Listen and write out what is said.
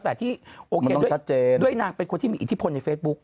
แต่ที่โอเคด้วยนางเป็นคนที่มีอิทธิพลในเฟซบุ๊ค